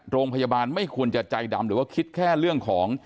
โรงพยาบาลไม่ควรจะใจดำหรือว่าคิดแค่เรื่องของ